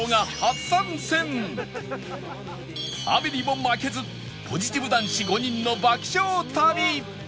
雨にも負けずポジティブ男子５人の爆笑旅